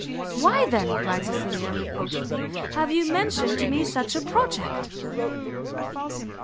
"Why, then," cried Cecilia, reproachfully, "have you mentioned to me such a project?"